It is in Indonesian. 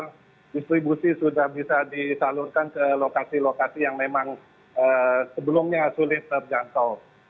karena distribusi sudah bisa disalurkan ke lokasi lokasi yang memang sebelumnya sulit terjangkau